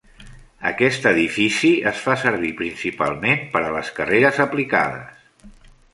Aquest edifici es fa servir principalment per a les carreres aplicades.